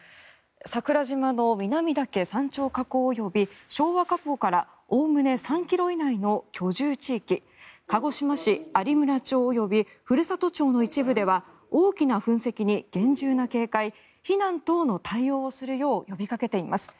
桜島の南岳山頂火口及び昭和火口からおおむね３ｋｍ以内の居住地域鹿児島市有村町及び古里町の一部では大きな噴石に厳重な警戒避難等の対応をするよう呼びかけています。